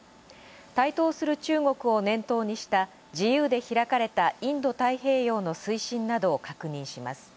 台頭する中国を念頭にした「自由で開かれたインド太平洋」の推進などを確認します。